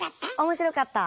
面白かった！